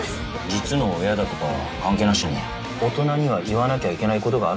実の親だとか関係なしに大人には言わなきゃいけない事があるんだ。